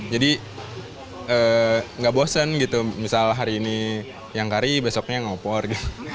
jadi gak bosen gitu misalnya hari ini yang kari besoknya yang opor gitu